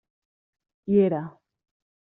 Hi era.